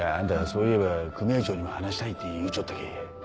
そういえば組合長にも話したいって言うちょったけぇ。